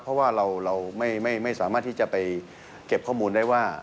เพราะว่าเราไม่สามารถที่จะไปเก็บข้อมูลได้ว่า